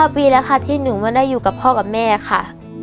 ปีแล้วค่ะที่หนูไม่ได้อยู่กับพ่อกับแม่ค่ะ